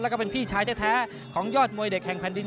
แล้วก็เป็นพี่ชายแท้ของยอดมวยเด็กแห่งแผ่นดิน